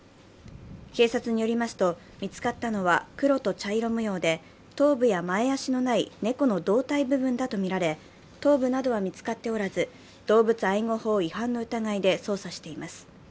警察によりますと、見つかったのは黒と茶色模様で頭部や前足のない猫の胴体部分だとみられ、頭部などは見つかっておらず、動物愛護法違反の疑いで捜査しています。